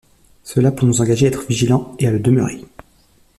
Cela pour nous engager à être vigilants et à le demeurer.